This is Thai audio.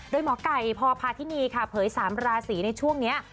โดยหมอไก่พพาธินีค่ะเผย๓ราศีในช่วงนี้